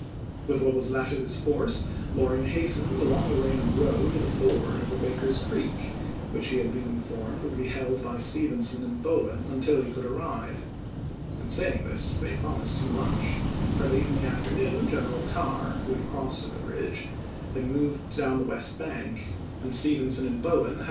With what was left of his force Loring hastened along the Raymond road to the ford over Baker's Creek, which he had been informed would be held by Stevenson and Bo wen until he could arrive ; but, in saying this, they promised too much, for, late in the afternoon, Greneral Carr, who had crossed at the bridge, moved down the west bank and Stevenson and Bowen had 192 ABRAHAM LINCOLN chap. vii.